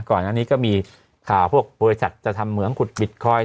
ก่อนอันนี้ก็มีข่าวพวกบริษัทจะทำเหมืองขุดบิตคอย